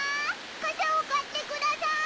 かさを買ってくださーい！